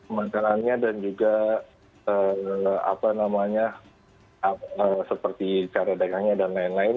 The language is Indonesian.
pemakanannya dan juga apa namanya seperti cara dagangnya dan lain lain